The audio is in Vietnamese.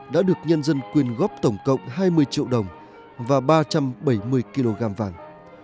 đã được nhân dân quyên góp tổng cộng hai mươi triệu đồng và ba trăm bảy mươi kg vàng